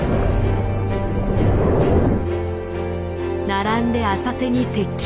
並んで浅瀬に接近。